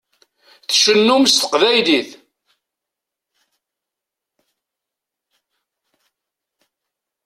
Tcennum s teqbaylit.